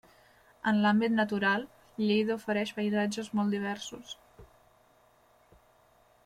En l'àmbit natural, Lleida ofereix paisatges molt diversos.